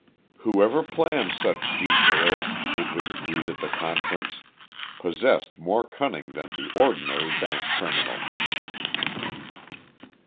Whoever planned such details, it was agreed at the conference, possessed more cunning than the ordinary bank criminal.